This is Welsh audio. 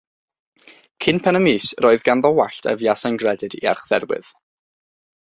Cyn pen y mis, yr oedd ganddo wallt a fuasai'n gredyd i Archdderwydd.